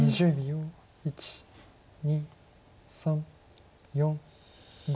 １２３４５。